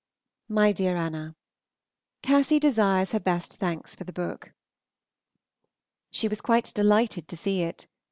MY DEAR ANNA, Cassy desires her best thanks for the book. She was quite delighted to see it.